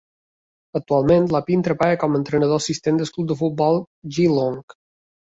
Actualment, Lappin treballa com a entrenador assistent del club de futbol Geelong.